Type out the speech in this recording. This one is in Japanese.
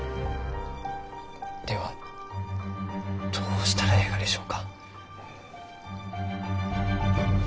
ではどうしたらえいがでしょうか？